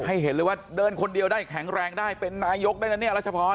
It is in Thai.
เห็นเลยว่าเดินคนเดียวได้แข็งแรงได้เป็นนายกได้นะเนี่ยรัชพร